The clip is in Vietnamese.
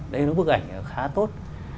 đây là bức ảnh khá tốt